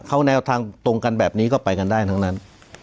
เขาแนวทางตรงกันแบบนี้ก็ไปกันได้ทั้งนั้น